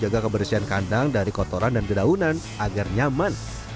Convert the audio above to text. jadi kita akan menambahkan kandang dari kotoran dan dedaunan agar nyaman